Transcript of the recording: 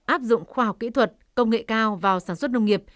áp dụng khoa học kỹ thuật công nghệ cao vào sản xuất nông nghiệp